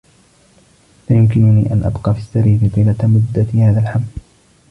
لا يمكنني أن أبقى في السّرير طيلة مدّة هذا الحمل.